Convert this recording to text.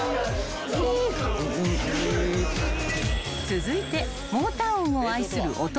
［続いてモーター音を愛する音